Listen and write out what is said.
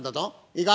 いいか？